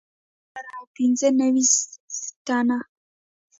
درې ډالره او پنځه نوي سنټه